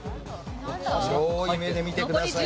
広い目で見てください。